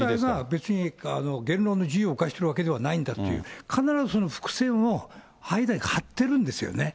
別に教会が言論の自由を侵してるわけではないんだという、必ずその伏線を間に張ってるんですよね。